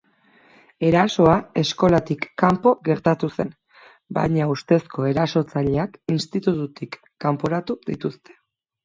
Erasoa eskolatik kanpo gertatu zen, baina ustezko erasotzaileak institututik kanporatu dituzte.